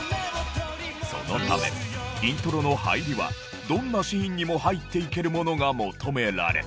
そのためイントロの入りはどんなシーンにも入っていけるものが求められ。